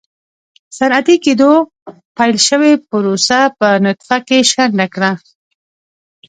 صنعتي کېدو پیل شوې پروسه په نطفه کې شنډه کړه.